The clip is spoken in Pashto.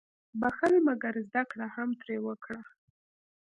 • بخښل، مګر زده کړه هم ترې وکړه.